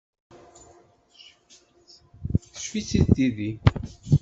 Teccef-itt-id tidi.